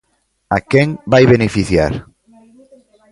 ¡A quen vai beneficiar!